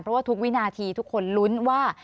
เพราะว่าทุกวินาทีทุกคนลุ้นว่า